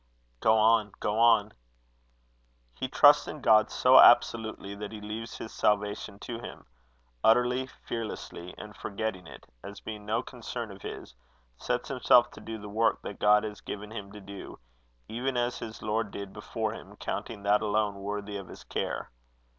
"Go on, go on." "He trusts in God so absolutely, that he leaves his salvation to him utterly, fearlessly; and, forgetting it, as being no concern of his, sets himself to do the work that God has given him to do, even as his Lord did before him, counting that alone worthy of his care.